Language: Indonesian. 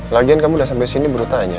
lagian kamu udah sampe sini baru tanya